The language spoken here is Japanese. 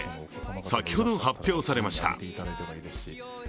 先ほど発表されました。